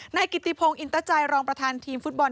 นายกิติพงศ์อินตใจรองประธานทีมฟุตบอล